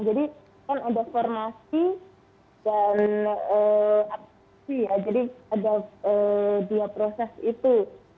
jadi kan ada formasi dan aksi ya jadi ada dia proses itu